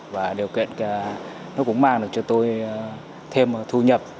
và điều kiện nó cũng mang được cho tôi thêm thu nhập